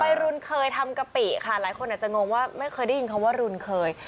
วัยรุ่นเคยทำกะปิค่ะหลายคนอาจจะงงว่าไม่เคยได้ยินคำว่ารุนเคย